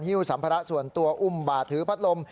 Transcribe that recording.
สัมภาระส่วนตัวอุ้มบาดถือพัดลม